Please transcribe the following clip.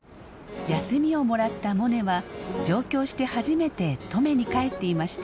休みをもらったモネは上京して初めて登米に帰っていました。